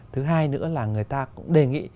thứ hai nữa là người ta cũng đề nghị